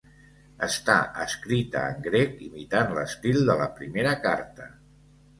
Està escrita en grec imitant l'estil de la primera carta.